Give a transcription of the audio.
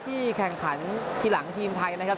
แข่งขันทีหลังทีมไทยนะครับ